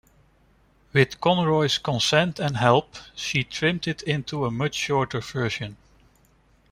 With Conroy's consent and help, she trimmed it into a much shorter version.